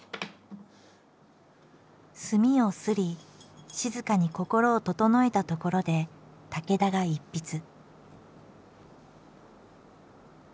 墨をすり静かに心を整えたところで武田が一筆。